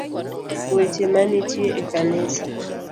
Weche manitie e kanisa